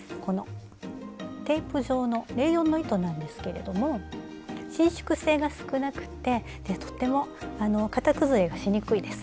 テープ状のレーヨンの糸なんですけれども伸縮性が少なくってとっても型崩れがしにくいです。